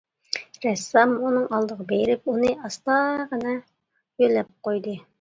رەسسام ئۇنىڭ ئالدىغا بېرىپ ئۇنى ئاستاغىنا يۆلەپ قويدى.